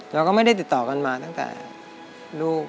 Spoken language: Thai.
เราก็ไม่ได้ติดต่อกันมาตั้งแต่ลูก